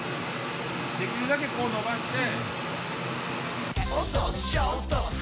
できるだけこう伸ばして。